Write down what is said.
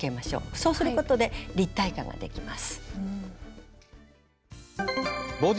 そうすることで立体感ができます。